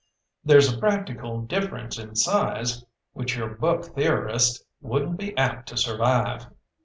There's a practical difference in size, which your book theorist wouldn't be apt to survive.